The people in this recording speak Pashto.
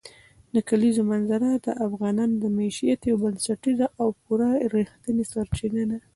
د کلیزو منظره د افغانانو د معیشت یوه بنسټیزه او پوره رښتینې سرچینه ده.